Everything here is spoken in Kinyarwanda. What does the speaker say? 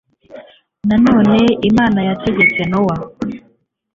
nanone imana yategetse nowa